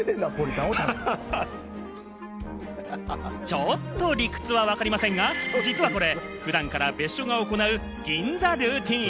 ちょっと理屈はわかりませんが、実はこれ、普段から別所が行う銀座ルーティン。